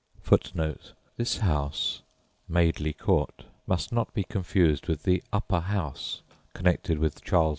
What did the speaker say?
[Footnote 1: This house must not be confused with "the Upper House," connected with Charles II.'